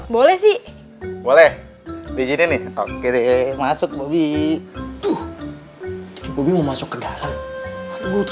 boleh boleh di sini oke masuk bobby tuh mau masuk ke dalam